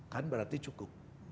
kan berarti cukup